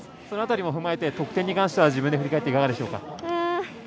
そのあたりも踏まえて得点は自分で振り返っていかがでしょうか。